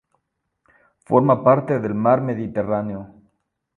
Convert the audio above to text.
Forma parte del mar Mediterráneo.